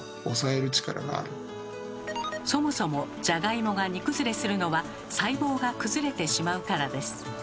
そもそもジャガイモが煮崩れするのは細胞が崩れてしまうからです。